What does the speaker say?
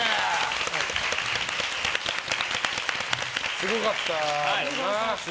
すごかったよな。